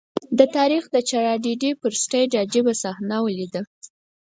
د تاریخ د ټراجېډي پر سټېج عجيبه صحنه ولیده.